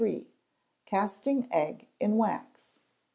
Casting Egg in Wax.